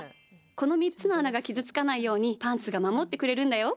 この３つのあながきずつかないようにパンツが、まもってくれるんだよ。